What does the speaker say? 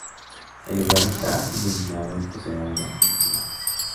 El lugar está iluminado y posee aire acondicionado.